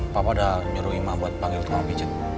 papa udah nyuruh imah buat panggil ke abijit